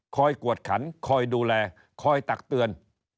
กวดขันคอยดูแลคอยตักเตือน